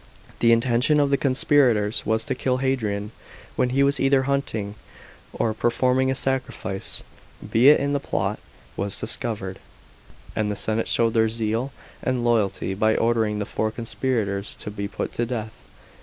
The intention of the conspirators was to kill Hadrian when he was either hunting or performing a sacrifice B it the plot was discovered, and the senate showed their zeal and loya ty by ordering the four conspirators to be put to death.